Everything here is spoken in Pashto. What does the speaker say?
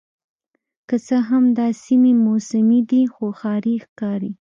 که څه هم دا سیمې موسمي دي خو ښاري ښکاري